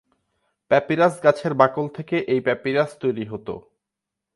Papyrus গাছের বাকল থেকে এই প্যাপিরাস তৈরি হত।